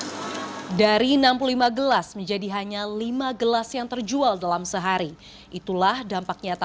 hai dari enam puluh lima gelas menjadi hanya lima gelas yang terjual dalam sehari itulah dampak nyata